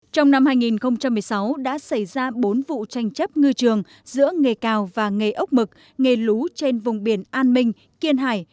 trong năm hai nghìn một mươi sáu đã xảy ra bốn vụ tranh chấp ngư trường giữa nghề cào và nghề ốc mực nghề lũ trên vùng biển an minh kiên hải